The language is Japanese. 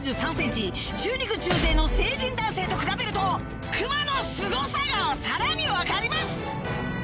中肉中背の成人男性と比べるとクマのすごさがさらに分かります